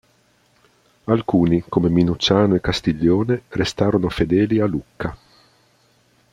Alcuni, come Minucciano e Castiglione, restarono fedeli a Lucca.